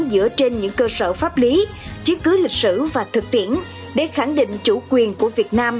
dựa trên những cơ sở pháp lý chiến cứ lịch sử và thực tiễn để khẳng định chủ quyền của việt nam